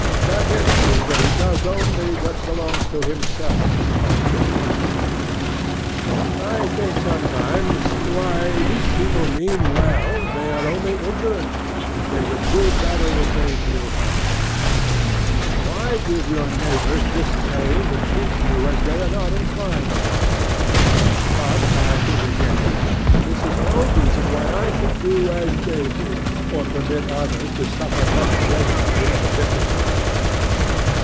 Let him see that he does only what belongs to himself and to the hour. I think sometimes, Why, this people mean well; they are only ignorant; they would do better if they knew how: why give your neighbors this pain to treat you as they are not inclined to? But I think, again, this is no reason why I should do as they do, or permit others to suffer much greater pain of a different kind.